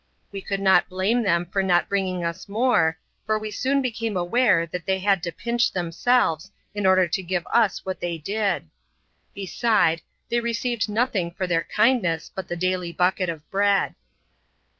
We could not blame them for not bringing us more, for we soon became aw^are that they had to pinch themselves, in order to give us what they did ; beside, they received nothing for their kindness but the daily bucket of bread.